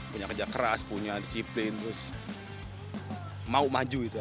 punya kejahat keras punya disiplin terus mau maju itu aja